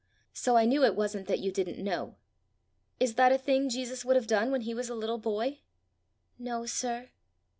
So I knew it wasn't that you didn't know. Is that a thing Jesus would have done when he was a little boy?" "No, sir."